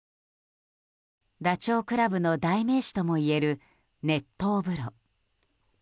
ダチョウ倶楽部の代名詞ともいえる、熱湯風呂。